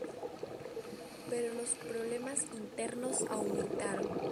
Pero los problemas internos aumentaron.